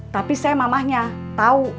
tapi saya mamahnya tahu